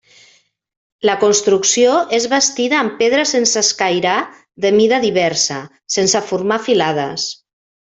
La construcció és bastida amb pedra sense escairar de mida diversa, sense formar filades.